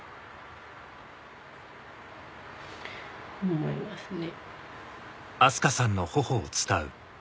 思いますね。